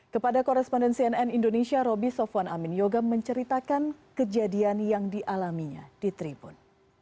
kepada koresponden cnn indonesia roby sofwan amin yoga menceritakan kejadian yang dialaminya di tribun